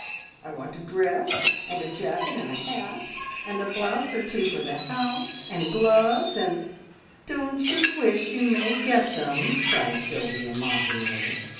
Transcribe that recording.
I want a dress, and a jacket, and a hat, and a blouse or two for the house, and gloves, and " "Don't you wish you may get them!" cried Sylvia mockingly.